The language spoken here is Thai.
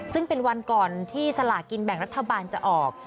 ซึ่งเป็นวันก่อนที่สลากินแบ่งรัฐบาลจะออก